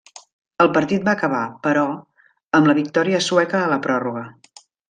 El partit va acabar, però, amb la victòria sueca a la pròrroga.